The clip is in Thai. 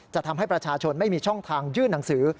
ทำให้ประชาชนไม่มีช่องทางยื่นหนังสือ